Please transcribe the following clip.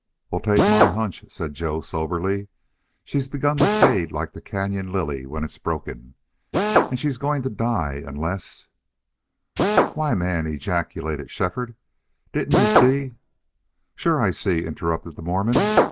"Well, take my hunch," said Joe, soberly. "She's begun to fade like the cañon lily when it's broken. And she's going to die unless " "Why man!" ejaculated Shefford. "Didn't you see " "Sure I see," interrupted the Mormon.